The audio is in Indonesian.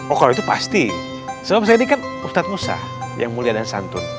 oh kalau itu pasti sebab saya ini kan ustadz musa yang mulia dan santun